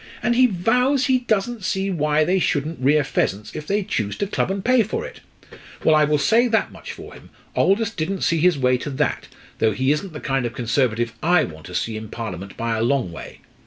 And he vows he doesn't see why they shouldn't rear pheasants if they choose to club and pay for it. Well, I will say that much for him, Aldous didn't see his way to that, though he isn't the kind of Conservative I want to see in Parliament by a long way.